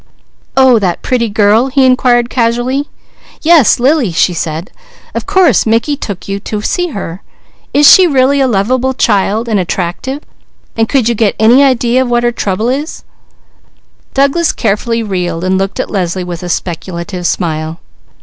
"Oh, that pretty girl?" he inquired casually. "Yes, Lily," she said. "Of course Mickey took you to see her! Is she really a lovable child, and attractive? Could you get any idea of what is her trouble?" Douglas carefully reeled while looking at Leslie with a speculative smile.